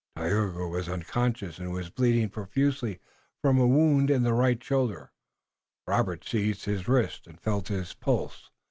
Tayoga was unconscious, and was bleeding profusely from a wound in the right shoulder. Robert seized his wrist and felt his pulse.